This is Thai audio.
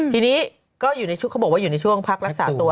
ทีนี้ก็บอกว่าอยู่ในช่วงพักรักษาตัว